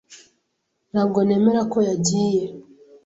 Ntabwo nemera ko yagiye.